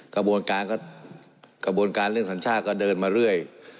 กระบวนการเรื่องสัญชาติก็เดินมาเรื่อย